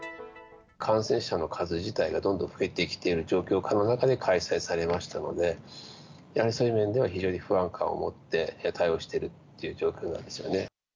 感染者の数自体がどんどん増えてきている状況下の中で開催されましたので、やはりそういう面では、非常に不安感を持って、対応しているという状況なんですよね。